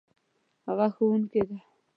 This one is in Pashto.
هغه ښوونکې ده